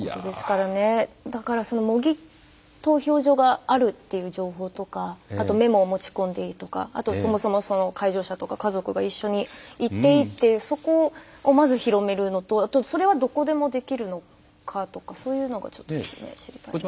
だから模擬投票所があるっていう情報とかあとメモを持ち込んでいいとかあとそもそも介助者とか家族が一緒に行っていいっていうそこをまず広めるのとあとそれはどこでもできるのかとかそういうのがちょっと知りたいですね。